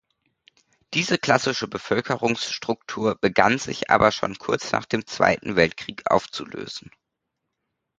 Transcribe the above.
Diese klassische Bevölkerungsstruktur begann sich aber schon kurz nach dem Zweiten Weltkrieg aufzulösen.